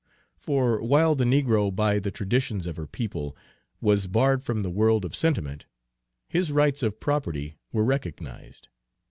For, while the negro, by the traditions of her people, was barred from the world of sentiment, his rights of property were recognized.